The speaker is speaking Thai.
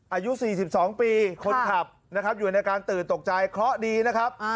อายุ๔๒ปีคนขับนะครับอยู่ในการตื่นตกใจเคราะห์ดีนะครับ